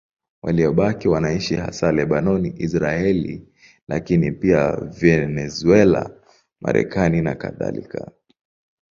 Waliobaki wanaishi hasa Lebanoni, Israeli, lakini pia Venezuela, Marekani nakadhalika.